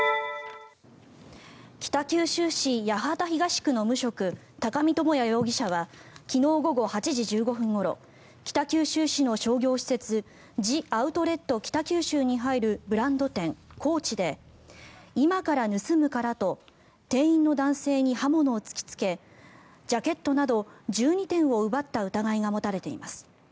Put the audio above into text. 北九州市八幡東区の無職高見智哉容疑者は昨日午後８時１５分ごろ北九州市の商業施設ジアウトレット北九州に入るブランド店、コーチで今から盗むからと店員の男性に刃物を突きつけジャケットなど１２点を奪った疑いが持たれています。